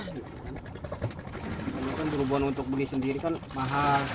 tapi kan juru bond untuk beli sendiri kan mahal